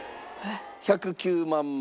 １０９万枚。